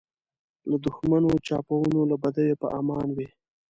له دښمنو چپاوونو له بدیو په امان وي.